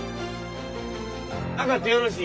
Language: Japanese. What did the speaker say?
上がってよろしい？